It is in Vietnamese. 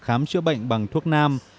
khám chữa bệnh bằng thuốc nam